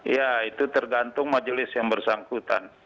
ya itu tergantung majelis yang bersangkutan